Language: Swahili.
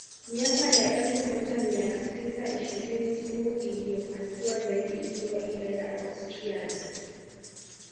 miaka ya elfu moja mia tisa ishirini timu iliyofanikiwa zaidi ikiwa ile ya Austrian